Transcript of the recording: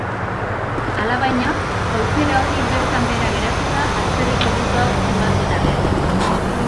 Alabaina, aukera hori bertan behera geratu da atzerriko botoak zenbatu eta gero.